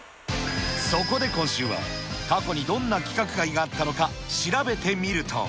そこで今週は、過去にどんな規格外があったのか調べてみると。